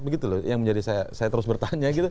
begitu loh yang menjadi saya terus bertanya gitu